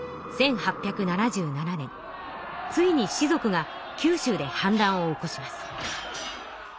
ついに士族が九州で反乱を起こします。